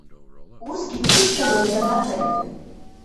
Усгьы дсышьҭамлар дабацари.